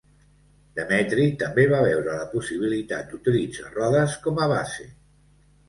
Demetri també va veure la possibilitat d'utilitzar Rodes com a base.